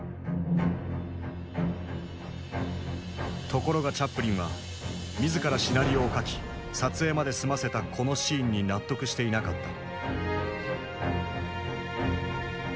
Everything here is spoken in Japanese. ところがチャップリンは自らシナリオを書き撮影まで済ませたこのシーンに納得していなかった。